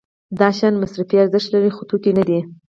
دا شیان مصرفي ارزښت لري خو توکي نه دي.